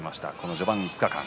序盤５日間。